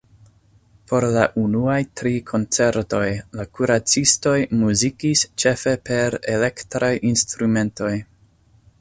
Por la unuaj tri koncertoj, la Kuracistoj muzikis ĉefe per elektraj instrumentoj.